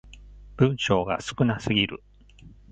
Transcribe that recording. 文章が少なすぎる